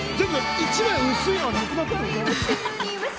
１枚薄いのがなくなってる。